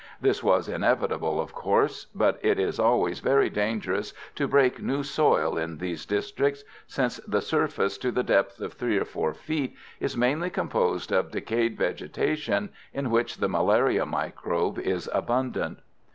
This was inevitable, of course; but it is always very dangerous to break new soil in these districts, since the surface to the depth of 3 or 4 feet is mainly composed of decayed vegetation in which the malaria microbe is abundant.